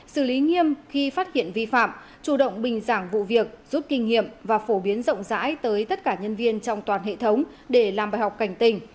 xử lý nghiêm khi phát hiện vi phạm chủ động bình giảng vụ việc rút kinh nghiệm và phổ biến rộng rãi tới tất cả nhân viên trong toàn hệ thống để làm bài học cảnh tình